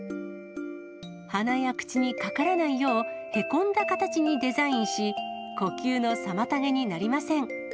鼻や口にかからないよう、へこんだ形にデザインし、呼吸の妨げになりません。